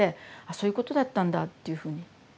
「あそういうことだったんだ」っていうふうに。